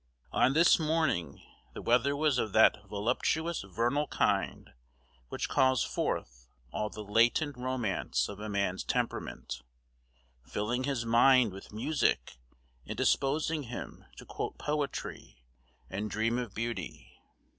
On this morning, the weather was of that voluptuous vernal kind which calls forth all the latent romance of a man's temperament, filling his mind with music, and disposing him to quote poetry and dream of beauty.